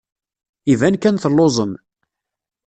Iban kan telluẓem.